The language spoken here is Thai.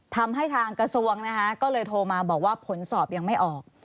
ทำให้ทางกระทรวงก็เลยโทรมาบอกว่าผลสอบยังไม่ออก